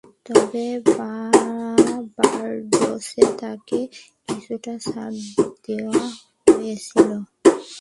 তবে, বার্বাডোসে তাকে কিছুটা ছাড় দেয়া হয়েছিল।